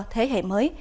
thế hệ mới